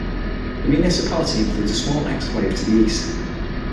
The municipality includes a small exclave to the east.